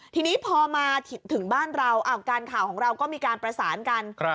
ทีนี้พอมาถึงบ้านเราการข่าวของเราก็มีการประสานกัน